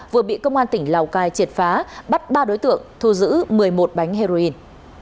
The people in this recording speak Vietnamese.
vừa bị công an tỉnh lào cai triệt phá bắt ba đối tượng thu giữ một mươi một bánh heroin